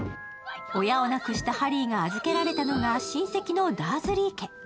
親を亡くしたハリーが預けられたのが親戚のダーズリー家。